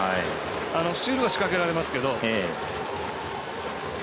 スチールは仕掛けられますけど。